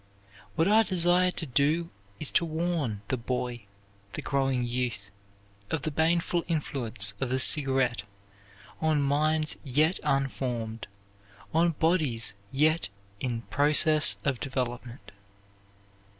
What I desire to do is to warn the boy, the growing youth, of the baneful influence of the cigarette on minds yet unformed, on bodies yet in process of development.